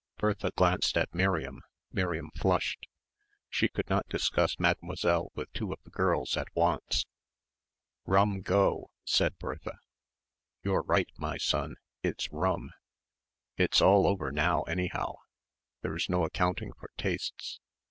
Bertha glanced at Miriam. Miriam flushed. She could not discuss Mademoiselle with two of the girls at once. "Rum go," said Bertha. "You're right, my son. It's rum. It's all over now, anyhow. There's no accounting for tastes.